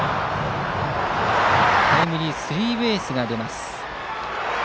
タイムリースリーベースが出ます。